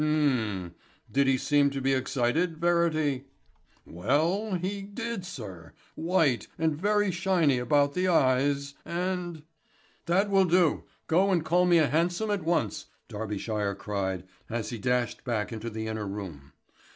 "Um! Did he seem to be excited, Verity?" "Well, he did, sir; white and very shiny about the eyes, and " "That will do. Go and call me a hansom, at once," Darbyshire cried, as he dashed back into the inner room.